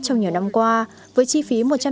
trong nhiều năm qua với chi phí